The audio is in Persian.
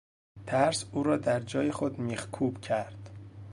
ترس او را در جای خود میخکوب کرد.